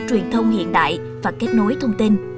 truyền thông hiện đại và kết nối thông tin